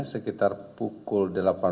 sekitar pukul delapan belas